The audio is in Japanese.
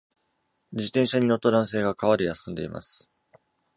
自転車に乗った男性が川で休んでいます。